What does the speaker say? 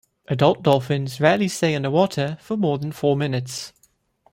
Adult dolphins rarely stay under water for more than four minutes.